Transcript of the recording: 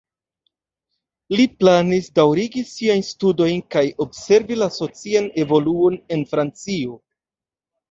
Li planis daŭrigi siajn studojn kaj observi la socian evoluon en Francio.